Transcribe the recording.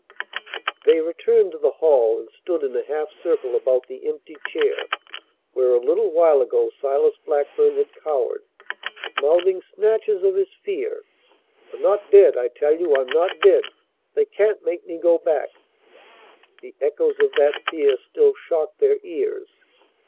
They returned to the hall and stood in a half circle about the empty chair, where a little while ago Silas Blackburn had cowered, mouthing snatches of his fear "I'm not dead! I tell you I'm not dead! They can't make me go back " The echoes of that fear still shocked their ears.